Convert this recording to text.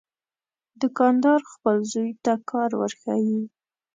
دوکاندار خپل زوی ته کار ورښيي.